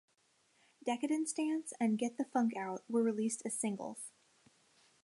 "Decadence Dance" and "Get the Funk Out" were released as singles.